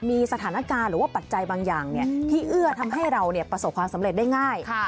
มีสถานการณ์หรือว่าปัจจัยบางอย่างที่เอื้อทำให้เราประสบความสำเร็จได้ง่าย